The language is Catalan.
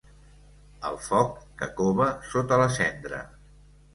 El foc que cova sota la cendra.